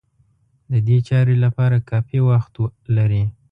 د دې چارې لپاره کافي وخت لري.